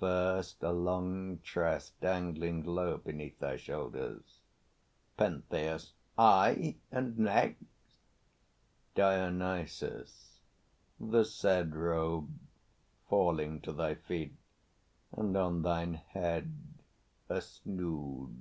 First a long tress dangling low Beneath thy shoulders. PENTHEUS. Aye, and next? DIONYSUS. The said Robe, falling to thy feet; and on thine head A snood.